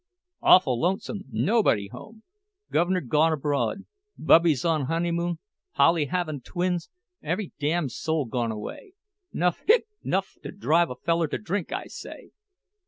Awful lonesome—nobody home! Guv'ner gone abroad—Bubby on's honeymoon—Polly havin' twins—every damn soul gone away! Nuff—hic—nuff to drive a feller to drink, I say!